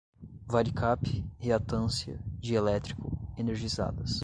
varicap, reatância, dielétrico, energizadas